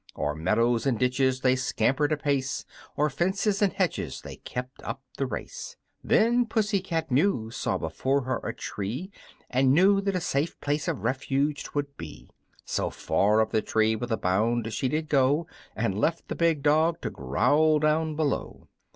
O'er meadows and ditches they scampered apace, O'er fences and hedges they kept up the race! Then Pussy cat Mew saw before her a tree, And knew that a safe place of refuge 'twould be; So far up the tree with a bound she did go, And left the big dog to growl down below.